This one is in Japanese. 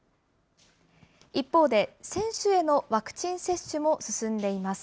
一方で、選手へのワクチン接種も進んでいます。